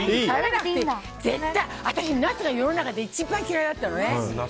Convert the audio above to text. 私、ナスが世の中で一番嫌いだったのね。